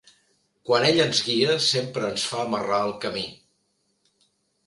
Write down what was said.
Quan ell ens guia sempre ens fa marrar el camí.